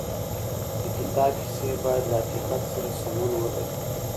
د کتاب کيسې بايد له حقيقت سره سمون ولري.